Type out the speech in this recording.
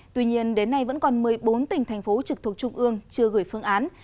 tuy nhiên đến nay vẫn còn một mươi bốn tỉnh thành phố trực thuộc trung ương chưa gửi phương án